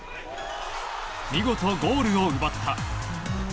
見事、ゴールを奪った。